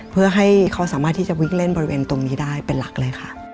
เพื่อให้เขาสามารถที่จะวิ่งเล่นบริเวณตรงนี้ได้เป็นหลักเลยค่ะ